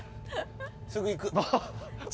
すぐ行く。